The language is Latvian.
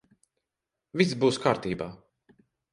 Viss būs kārtībā.